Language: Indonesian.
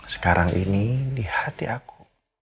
sekarang ini di hati aku